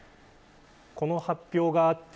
この発表があって